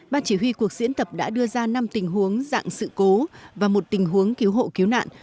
ban chỉ huy cuộc diễn tập đã đưa ra năm tình huống dạng sự cố và một tình huống cứu hộ cứu nạn